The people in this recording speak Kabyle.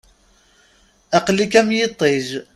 Aqel-ik am yiṭij.